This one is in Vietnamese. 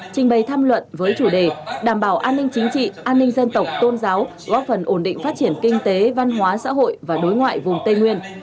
trình bày tham luận với chủ đề đảm bảo an ninh chính trị an ninh dân tộc tôn giáo góp phần ổn định phát triển kinh tế văn hóa xã hội và đối ngoại vùng tây nguyên